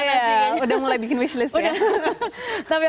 udah mulai bikin wish list ya